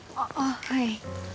あっはい。